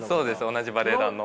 同じバレエ団の。